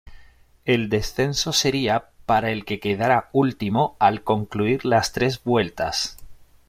El descenso sería para el que quedara último al concluir las tres vueltas.